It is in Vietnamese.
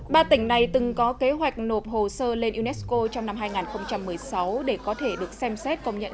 ba tỉnh này từng có kế hoạch nộp hồ sơ lên unesco trong năm hai nghìn một mươi sáu để có thể được xem xét công nhận